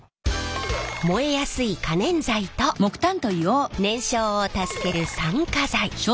燃えやすい可燃剤と燃焼を助ける酸化剤。